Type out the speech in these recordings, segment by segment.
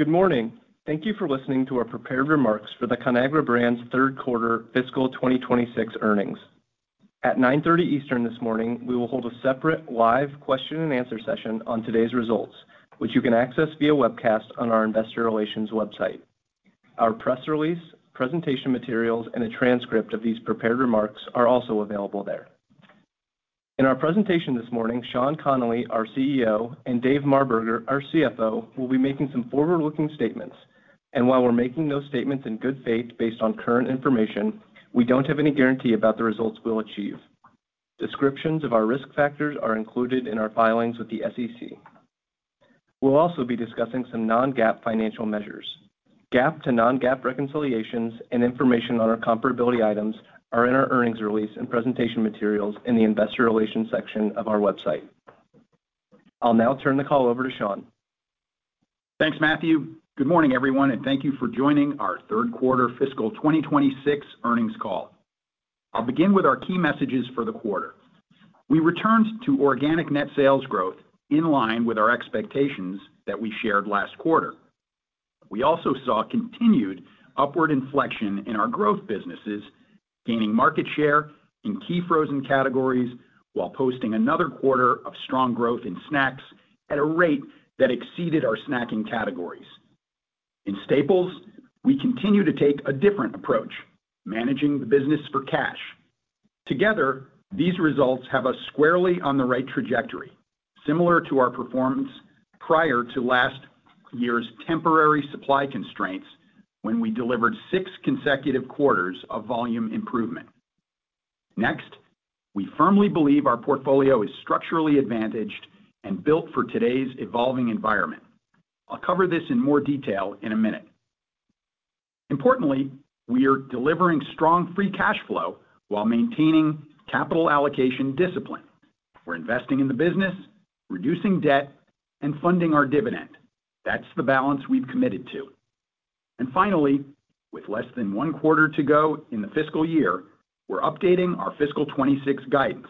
Good morning. Thank you for listening to our prepared remarks for the Conagra Brands third quarter fiscal 2026 earnings. At 9:30 A.M. Eastern this morning, we will hold a separate live question and answer session on today's results, which you can access via webcast on our investor relations website. Our press release, presentation materials, and a transcript of these prepared remarks are also available there. In our presentation this morning, Sean Connolly, our CEO, and Dave Marberger, our CFO, will be making some forward-looking statements. While we're making those statements in good faith based on current information, we don't have any guarantee about the results we'll achieve. Descriptions of our risk factors are included in our filings with the SEC. We'll also be discussing some non-GAAP financial measures. GAAP to non-GAAP reconciliations and information on our comparability items are in our earnings release and presentation materials in the Investor Relations section of our website. I'll now turn the call over to Sean. Thanks, Matthew. Good morning, everyone, and thank you for joining our third quarter fiscal 2026 earnings call. I'll begin with our key messages for the quarter. We returned to organic net sales growth in line with our expectations that we shared last quarter. We also saw continued upward inflection in our growth businesses, gaining market share in key frozen categories while posting another quarter of strong growth in snacks at a rate that exceeded our snacking categories. In staples, we continue to take a different approach, managing the business for cash. Together, these results have us squarely on the right trajectory, similar to our performance prior to last year's temporary supply constraints when we delivered six consecutive quarters of volume improvement. Next, we firmly believe our portfolio is structurally advantaged and built for today's evolving environment. I'll cover this in more detail in a minute. Importantly, we are delivering strong free cash flow while maintaining capital allocation discipline. We're investing in the business, reducing debt, and funding our dividend. That's the balance we've committed to. Finally, with less than one quarter to go in the fiscal year, we're updating our fiscal 2026 guidance,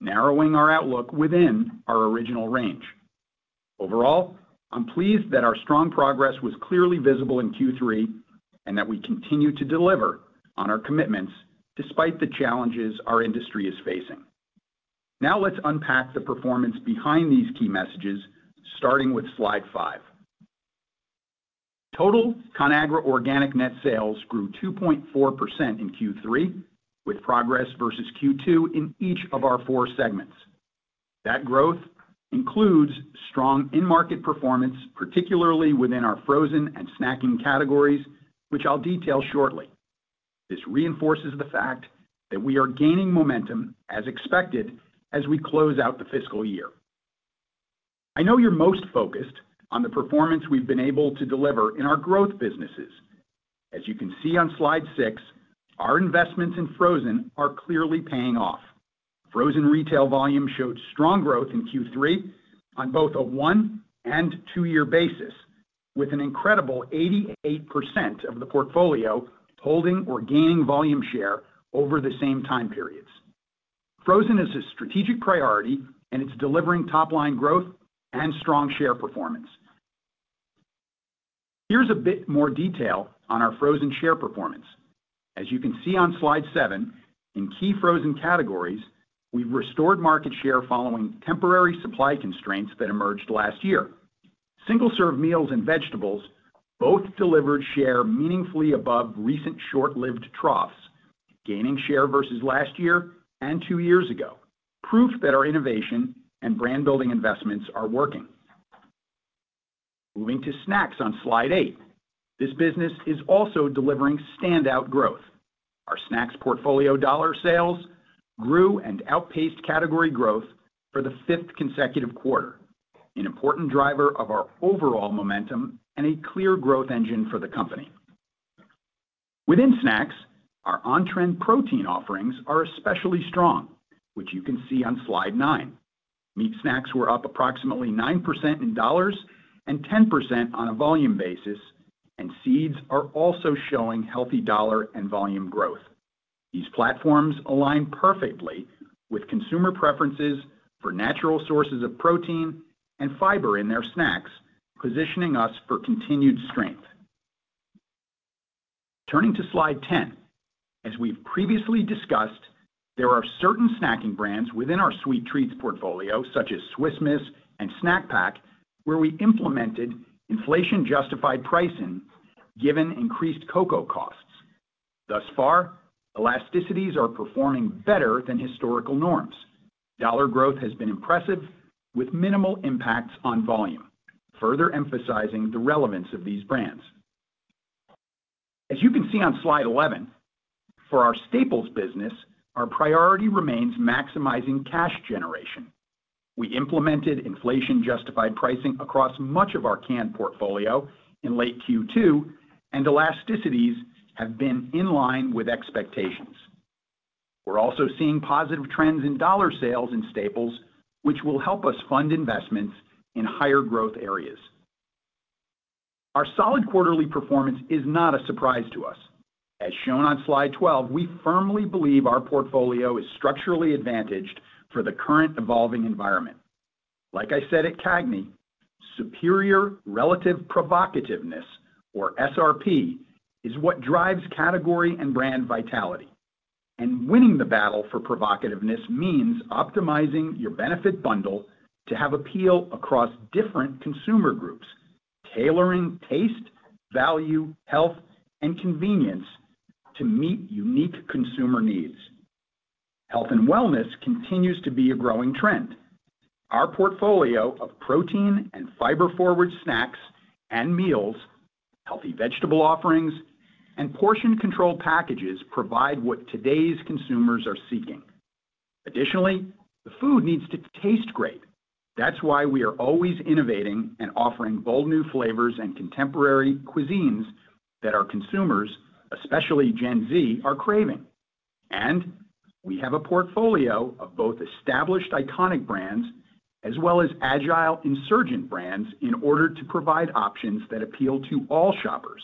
narrowing our outlook within our original range. Overall, I'm pleased that our strong progress was clearly visible in Q3, and that we continue to deliver on our commitments despite the challenges our industry is facing. Now let's unpack the performance behind these key messages, starting with slide five. Total Conagra organic net sales grew 2.4% in Q3, with progress versus Q2 in each of our four segments. That growth includes strong in-market performance, particularly within our frozen and snacking categories, which I'll detail shortly. This reinforces the fact that we are gaining momentum as expected as we close out the fiscal year. I know you're most focused on the performance we've been able to deliver in our growth businesses. As you can see on slide six, our investments in frozen are clearly paying off. Frozen retail volume showed strong growth in Q3 on both a one- and two-year basis, with an incredible 88% of the portfolio holding or gaining volume share over the same time periods. Frozen is a strategic priority, and it's delivering top-line growth and strong share performance. Here's a bit more detail on our frozen share performance. As you can see on slide seven, in key frozen categories, we've restored market share following temporary supply constraints that emerged last year. Single-serve meals and vegetables both delivered share meaningfully above recent short-lived troughs, gaining share versus last year and two years ago, proof that our innovation and brand-building investments are working. Moving to snacks on slide eight. This business is also delivering standout growth. Our snacks portfolio dollar sales grew and outpaced category growth for the fifth consecutive quarter, an important driver of our overall momentum and a clear growth engine for the company. Within snacks, our on-trend protein offerings are especially strong, which you can see on slide nine. Meat snacks were up approximately 9% in dollars and 10% on a volume basis, and seeds are also showing healthy dollar and volume growth. These platforms align perfectly with consumer preferences for natural sources of protein and fiber in their snacks, positioning us for continued strength. Turning to slide 10. As we've previously discussed, there are certain snacking brands within our sweet treats portfolio, such as Swiss Miss and Snack Pack, where we implemented inflation-justified pricing given increased cocoa costs. Thus far, elasticities are performing better than historical norms. Dollar growth has been impressive with minimal impacts on volume, further emphasizing the relevance of these brands. As you can see on slide 11, for our staples business, our priority remains maximizing cash generation. We implemented inflation-justified pricing across much of our canned portfolio in late Q2, and elasticities have been in line with expectations. We're also seeing positive trends in dollar sales in staples, which will help us fund investments in higher growth areas. Our solid quarterly performance is not a surprise to us. As shown on slide 12, we firmly believe our portfolio is structurally advantaged for the current evolving environment. Like I said at CAGNY, superior relative provocativeness or SRP is what drives category and brand vitality. Winning the battle for provocativeness means optimizing your benefit bundle to have appeal across different consumer groups, tailoring taste, value, health, and convenience to meet unique consumer needs. Health and wellness continues to be a growing trend. Our portfolio of protein and fiber-forward snacks and meals, healthy vegetable offerings, and portion control packages provide what today's consumers are seeking. Additionally, the food needs to taste great. That's why we are always innovating and offering bold new flavors and contemporary cuisines that our consumers, especially Gen Z, are craving. We have a portfolio of both established iconic brands as well as agile insurgent brands in order to provide options that appeal to all shoppers.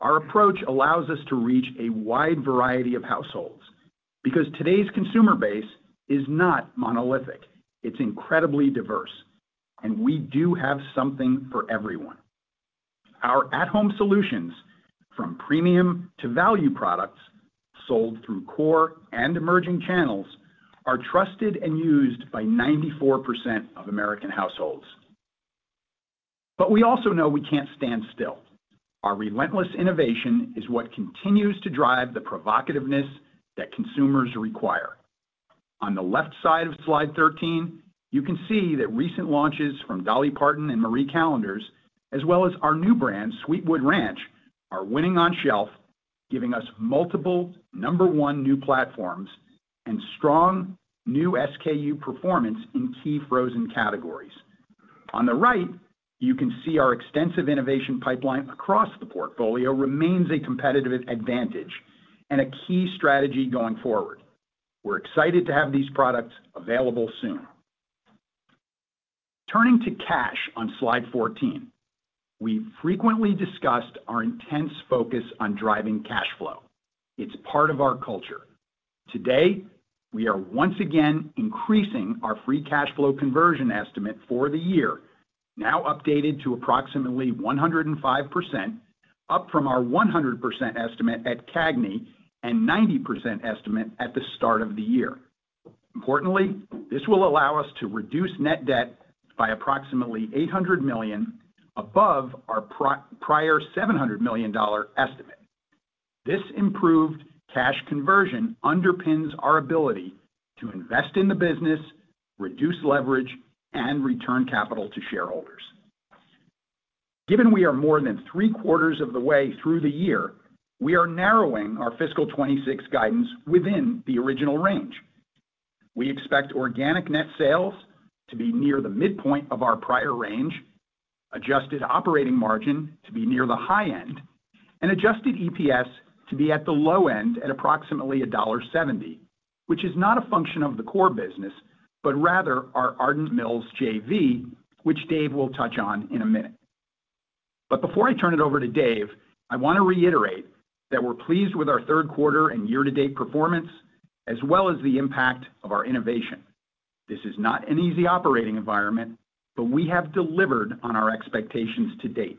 Our approach allows us to reach a wide variety of households because today's consumer base is not monolithic. It's incredibly diverse, and we do have something for everyone. Our at-home solutions, from premium to value products sold through core and emerging channels, are trusted and used by 94% of American households. We also know we can't stand still. Our relentless innovation is what continues to drive the provocativeness that consumers require. On the left side of slide 13, you can see that recent launches from Dolly Parton's and Marie Callender's, as well as our new brand, Sweetwood Smoke, are winning on shelf, giving us multiple number one new platforms and strong new SKU performance in key frozen categories. On the right, you can see our extensive innovation pipeline across the portfolio remains a competitive advantage and a key strategy going forward. We're excited to have these products available soon. Turning to cash on slide 14, we frequently discussed our intense focus on driving cash flow. It's part of our culture. Today, we are once again increasing our free cash flow conversion estimate for the year now updated to approximately 105%, up from our 100% estimate at CAGNY and 90% estimate at the start of the year. Importantly, this will allow us to reduce net debt by approximately $800 million above our prior $700 million estimate. This improved cash conversion underpins our ability to invest in the business, reduce leverage, and return capital to shareholders. Given we are more than three-quarters of the way through the year, we are narrowing our fiscal 2026 guidance within the original range. We expect organic net sales to be near the midpoint of our prior range, adjusted operating margin to be near the high end, and adjusted EPS to be at the low end at approximately $1.70, which is not a function of the core business, but rather our Ardent Mills JV, which Dave will touch on in a minute. Before I turn it over to Dave, I want to reiterate that we're pleased with our third quarter and year-to-date performance, as well as the impact of our innovation. This is not an easy operating environment, but we have delivered on our expectations to date.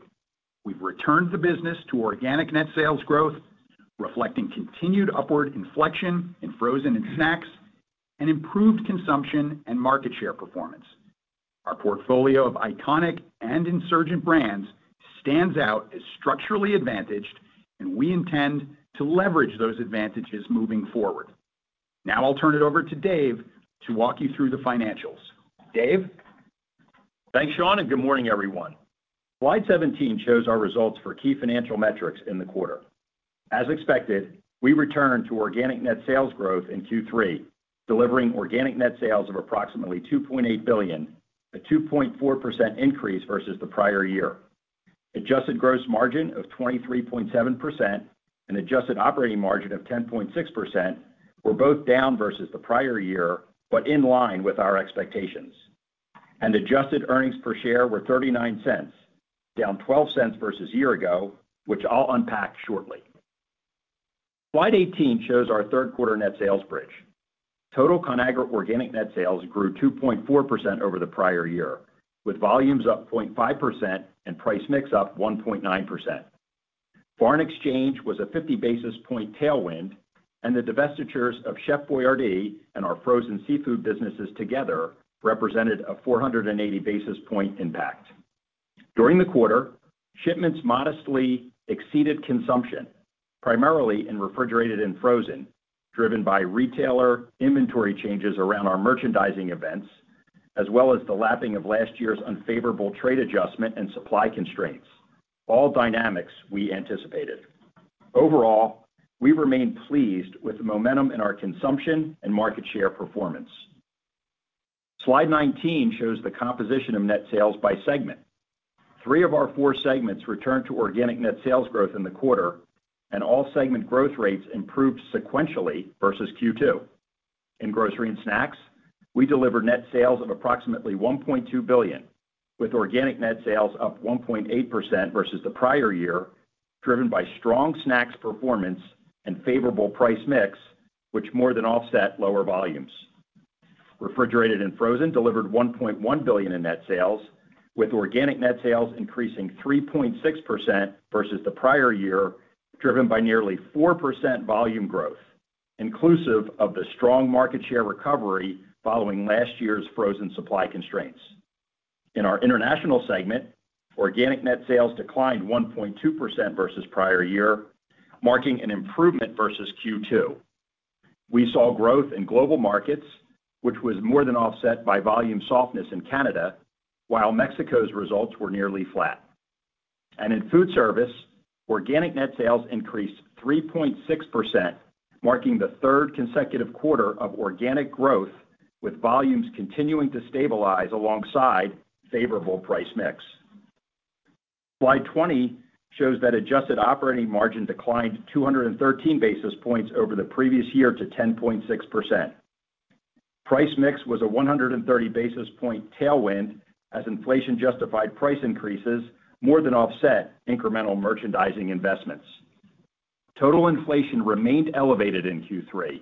We've returned the business to organic net sales growth, reflecting continued upward inflection in frozen and snacks, and improved consumption and market share performance. Our portfolio of iconic and insurgent brands stands out as structurally advantaged, and we intend to leverage those advantages moving forward. Now I'll turn it over to Dave to walk you through the financials. Dave? Thanks, Sean, and good morning, everyone. Slide 17 shows our results for key financial metrics in the quarter. As expected, we returned to organic net sales growth in Q3, delivering organic net sales of approximately $2.8 billion, a 2.4% increase versus the prior year. Adjusted gross margin of 23.7% and adjusted operating margin of 10.6% were both down versus the prior year, but in line with our expectations. Adjusted earnings per share were $0.39, down $0.12 versus year ago, which I'll unpack shortly. Slide 18 shows our third quarter net sales bridge. Total Conagra organic net sales grew 2.4% over the prior year, with volumes up 0.5% and price mix up 1.9%. Foreign exchange was a 50 basis point tailwind, and the divestitures of Chef Boyardee and our frozen seafood businesses together represented a 480 basis point impact. During the quarter, shipments modestly exceeded consumption, primarily in refrigerated and frozen, driven by retailer inventory changes around our merchandising events, as well as the lapping of last year's unfavorable trade adjustment and supply constraints, all dynamics we anticipated. Overall, we remain pleased with the momentum in our consumption and market share performance. Slide 19 shows the composition of net sales by segment. Three of our four segments returned to organic net sales growth in the quarter, and all segment growth rates improved sequentially versus Q2. In Grocery & Snacks, we delivered net sales of approximately $1.2 billion, with organic net sales up 1.8% versus the prior year, driven by strong snacks performance and favorable price mix, which more than offset lower volumes. Refrigerated and Frozen delivered $1.1 billion in net sales, with organic net sales increasing 3.6% versus the prior year, driven by nearly 4% volume growth, inclusive of the strong market share recovery following last year's frozen supply constraints. In our International segment, organic net sales declined 1.2% versus prior year, marking an improvement versus Q2. We saw growth in global markets, which was more than offset by volume softness in Canada, while Mexico's results were nearly flat. In Foodservice, organic net sales increased 3.6%, marking the third consecutive quarter of organic growth, with volumes continuing to stabilize alongside favorable price mix. Slide 20 shows that adjusted operating margin declined 213 basis points over the previous year to 10.6%. Price mix was a 130 basis point tailwind as inflation-justified price increases more than offset incremental merchandising investments. Total inflation remained elevated in Q3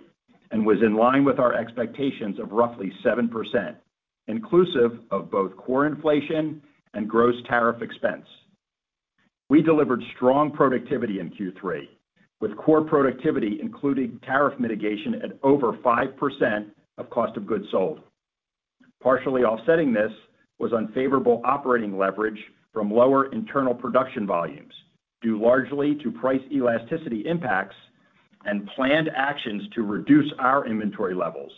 and was in line with our expectations of roughly 7%, inclusive of both core inflation and gross tariff expense. We delivered strong productivity in Q3, with core productivity including tariff mitigation at over 5% of cost of goods sold. Partially offsetting this was unfavorable operating leverage from lower internal production volumes, due largely to price elasticity impacts and planned actions to reduce our inventory levels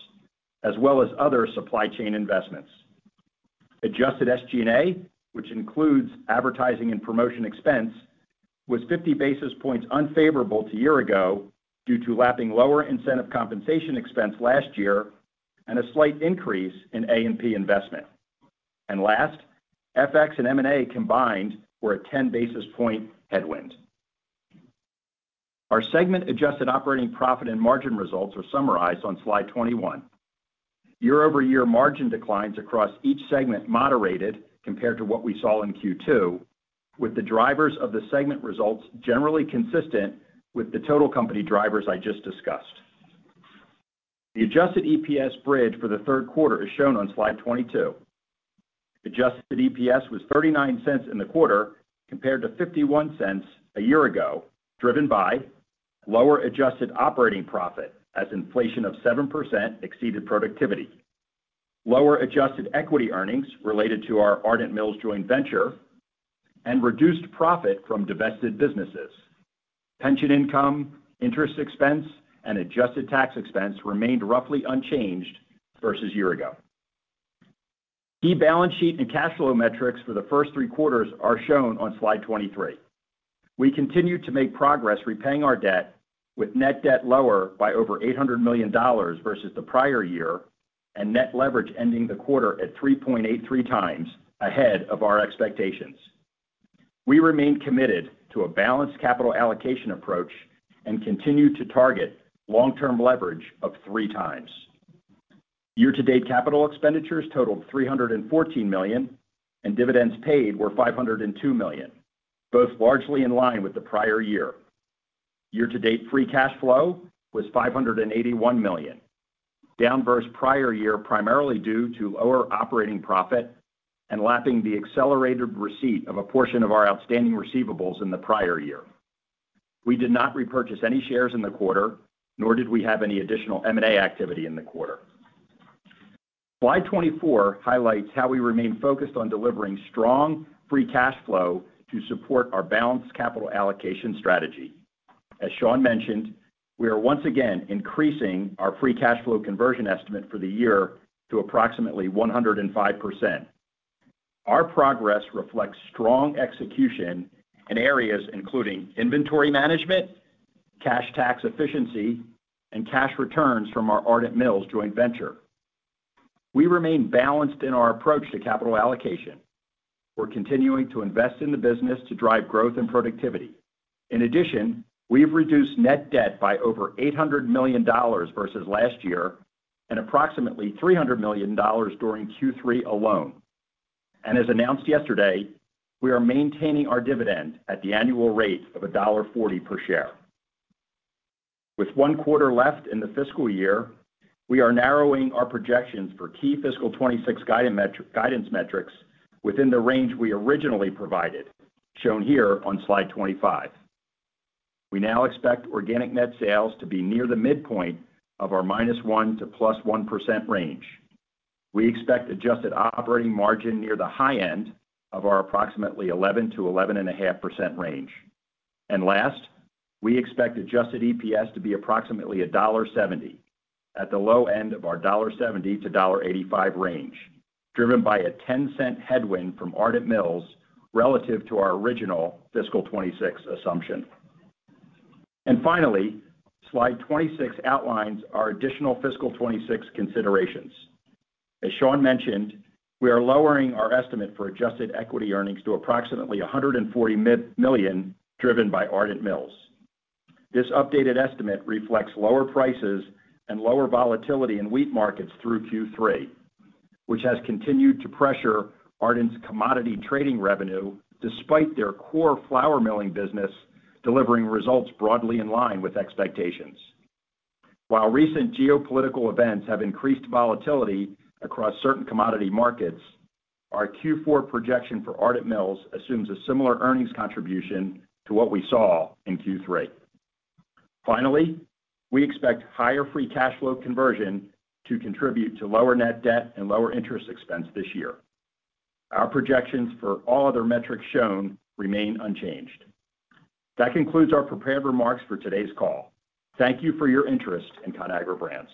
as well as other supply chain investments. Adjusted SG&A, which includes advertising and promotion expense, was 50 basis points unfavorable to year ago due to lapping lower incentive compensation expense last year and a slight increase in A&P investment. Last, FX and M&A combined were a 10 basis points headwind. Our segment adjusted operating profit and margin results are summarized on slide 21. Year-over-year margin declines across each segment moderated compared to what we saw in Q2, with the drivers of the segment results generally consistent with the total company drivers I just discussed. The adjusted EPS bridge for the third quarter is shown on slide 22. Adjusted EPS was $0.39 in the quarter, compared to $0.51 a year ago, driven by lower adjusted operating profit as inflation of 7% exceeded productivity, lower adjusted equity earnings related to our Ardent Mills joint venture, and reduced profit from divested businesses. Pension income, interest expense, and adjusted tax expense remained roughly unchanged versus year ago. Key balance sheet and cash flow metrics for the first three quarters are shown on slide 23. We continued to make progress repaying our debt with net debt lower by over $800 million versus the prior year and net leverage ending the quarter at 3.83x ahead of our expectations. We remain committed to a balanced capital allocation approach and continue to target long-term leverage of 3x. Year-to-date capital expenditures totaled $314 million, and dividends paid were $502 million, both largely in line with the prior year. Year-to-date free cash flow was $581 million, down versus prior year primarily due to lower operating profit and lapping the accelerated receipt of a portion of our outstanding receivables in the prior year. We did not repurchase any shares in the quarter, nor did we have any additional M&A activity in the quarter. Slide 24 highlights how we remain focused on delivering strong free cash flow to support our balanced capital allocation strategy. As Sean mentioned, we are once again increasing our free cash flow conversion estimate for the year to approximately 105%. Our progress reflects strong execution in areas including inventory management, cash tax efficiency, and cash returns from our Ardent Mills joint venture. We remain balanced in our approach to capital allocation. We're continuing to invest in the business to drive growth and productivity. In addition, we've reduced net debt by over $800 million versus last year and approximately $300 million during Q3 alone. As announced yesterday, we are maintaining our dividend at the annual rate of $1.40 per share. With one quarter left in the fiscal year, we are narrowing our projections for key fiscal 2026 guidance metrics within the range we originally provided, shown here on slide 25. We now expect organic net sales to be near the midpoint of our -1% to +1% range. We expect adjusted operating margin near the high end of our approximately 11%-11.5% range. Last, we expect adjusted EPS to be approximately $1.70 at the low end of our $1.70-$1.85 range, driven by a $0.10 headwind from Ardent Mills relative to our original fiscal 2026 assumption. Finally, slide 26 outlines our additional fiscal 2026 considerations. As Sean mentioned, we are lowering our estimate for adjusted equity earnings to approximately $140 million driven by Ardent Mills. This updated estimate reflects lower prices and lower volatility in wheat markets through Q3, which has continued to pressure Ardent's commodity trading revenue despite their core flour milling business delivering results broadly in line with expectations. While recent geopolitical events have increased volatility across certain commodity markets, our Q4 projection for Ardent Mills assumes a similar earnings contribution to what we saw in Q3. Finally, we expect higher free cash flow conversion to contribute to lower net debt and lower interest expense this year. Our projections for all other metrics shown remain unchanged. That concludes our prepared remarks for today's call. Thank you for your interest in Conagra Brands.